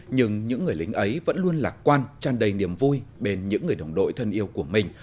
nhưng những người lính ấy vẫn luôn lạc quan tràn đầy niềm vui bên những người đồng đội thân yêu của mình